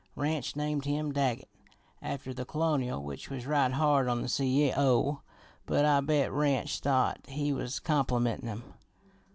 Ranch named him Daggett, after the Colonel, which was right hard on the C. O., but I bet Ranch thought he was complimentin' him.